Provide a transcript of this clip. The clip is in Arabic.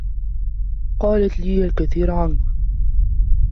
قالت لي الكثير عنك.